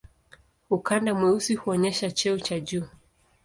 Ukanda mweusi huonyesha cheo cha juu.